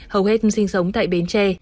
hầu hết sinh sống tại bến tre